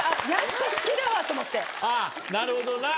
なるほどな。